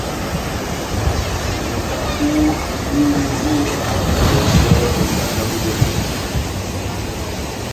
Nʼkabu múndi wéh ebabanidɛsɛ ohibandamidɛnjɛ.